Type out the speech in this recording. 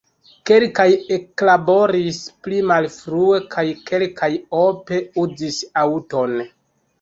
Kelkaj eklaboris pli malfrue kaj kelkaj ope uzis aŭton.